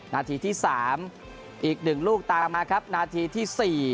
นาทีที่๓อีก๑ลูกตามมาครับนาทีที่๔